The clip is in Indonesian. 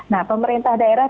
nah pemerintah daerah